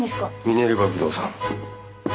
ミネルヴァ不動産。